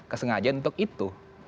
kesengajaan untuk itu